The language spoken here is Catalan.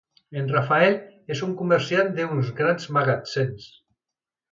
En Rafael és un comerciant d'uns grans magatzems.